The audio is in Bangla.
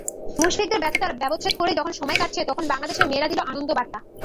মুশফিকদের ব্যর্থতার ব্যবচ্ছেদ করেই যখন সময় কাটছে, তখন বাংলাদেশের মেয়েরা দিল আনন্দবার্তা।